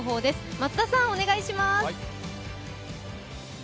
松田さん、お願いします。